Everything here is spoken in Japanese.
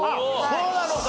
そうなのか。